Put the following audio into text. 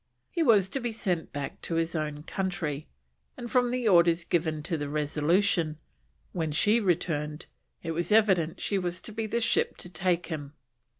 He was to be sent back to his own country; and from the orders given to the Resolution, when she returned, it was evident she was to be the ship to take him.